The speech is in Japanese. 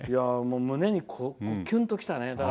胸にキュンときたね。